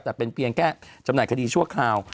แต่เป็นเพียงแค่จำหน่ายคดีชั่วคราว